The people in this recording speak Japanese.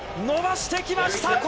伸ばしてきました！